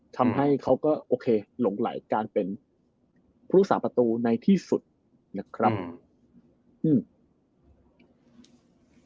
ทำให้เขาก็โอเคหลงไหลการเป็นผู้รักษาประตูในที่สุดนะครับอืม